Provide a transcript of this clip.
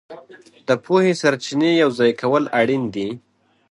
د پوهې سرچینې یوځای کول اړین دي.